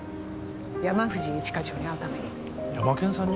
山藤一課長に会うためにヤマケンさんに？